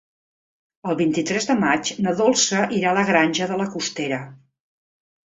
El vint-i-tres de maig na Dolça irà a la Granja de la Costera.